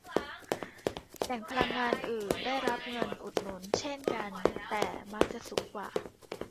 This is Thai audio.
แหล่งพลังงานอื่นได้รับเงินอุดหนุนเช่นกัน แต่มักจะสูงกว่า